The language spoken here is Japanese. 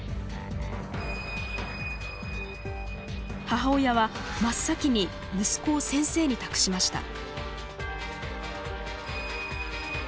母親は真っ先に息子を先生に託しました。